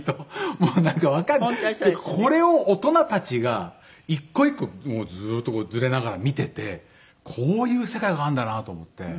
これを大人たちが１個１個もうずっとずれながら見ててこういう世界があるんだなと思って。